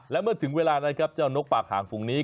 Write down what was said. และเมื่อถึงเวลานะครับเจ้านกปากหางฝุงนี้